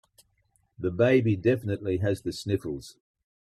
The baby definitely has the sniffles.